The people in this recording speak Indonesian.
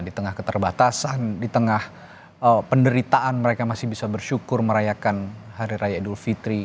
di tengah keterbatasan di tengah penderitaan mereka masih bisa bersyukur merayakan hari raya idul fitri